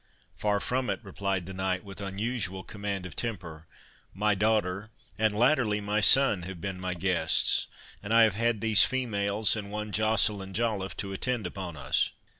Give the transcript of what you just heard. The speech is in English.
"Far from it," replied the knight, with unusual command of temper, "my daughter, and latterly my son, have been my guests; and I have had these females, and one Joceline Joliffe, to attend upon us."